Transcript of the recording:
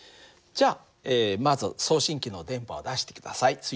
じゃあまず送信機の電波を出して下さい。